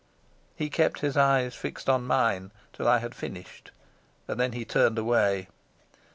He kept his eyes fixed on mine till I had finished, and then he turned away.